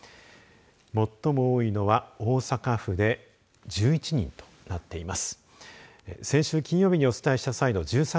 最も多いのは大阪府で１１人となっています。